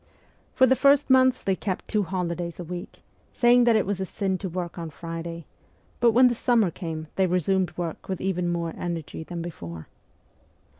For the first months they kept two holidays a week, saying that it was a sin to work on Friday ; but when the summer came they resumed work with even more energy than before.